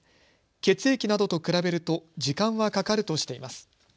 血液などと比べると時間はかかるとしています。